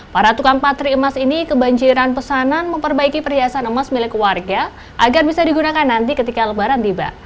para tukang patri emas ini kebanjiran pesanan memperbaiki perhiasan emas milik warga agar bisa digunakan nanti ketika lebaran tiba